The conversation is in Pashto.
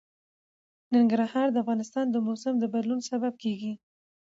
ننګرهار د افغانستان د موسم د بدلون سبب کېږي.